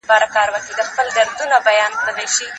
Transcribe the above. ما به کیسه درته کول، راڅخه ورانه سوله